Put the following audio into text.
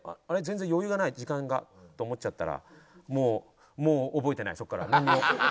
全然余裕がない時間が」と思っちゃったらもうもう覚えてないそこからなんにも。